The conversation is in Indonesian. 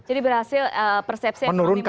jadi berhasil persepsi yang lebih buruk gitu ya